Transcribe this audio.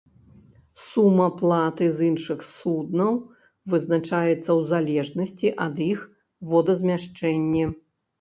Сума платы з іншых суднаў вызначаецца ў залежнасці ад іх водазмяшчэнні.